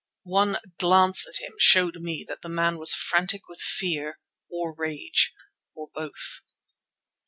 One glance at him showed me that the man was frantic with fear, or rage, or both.